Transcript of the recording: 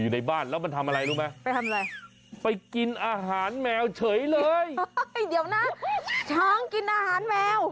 อยู่ในบ้านแล้วมันทำอะไรรู้ไหมไปทำอะไรไปกินอาหารแมวเฉยเลยเดี๋ยวนะช้างกินอาหารแมว